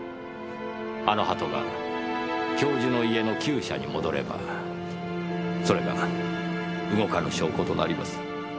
あの鳩が教授の家の鳩舎に戻ればそれが動かぬ証拠となります。